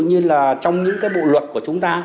như là trong những cái bộ luật của chúng ta